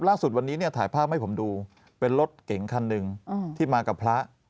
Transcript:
ล่าสุดวันนี้เนี่ยถ่ายภาพให้ผมดูเป็นรถเก๋งคันหนึ่งที่มากับพระ